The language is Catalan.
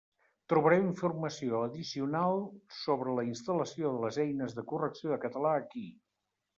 Trobareu informació addicional sobre la instal·lació de les eines de correcció de català aquí.